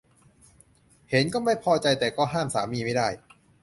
เห็นก็ไม่พอใจแต่ก็ห้ามสามีไม่ได้